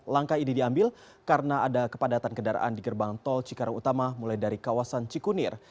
langkah ini diambil karena ada kepadatan kendaraan di gerbang tol cikarang utama mulai dari kawasan cikunir